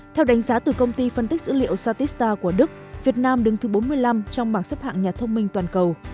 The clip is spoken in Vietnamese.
theo đánh giá từ công ty phân tích dữ liệu satista của đức việt nam đứng thứ bốn mươi năm trong bảng xếp hạng nhà thông minh toàn cầu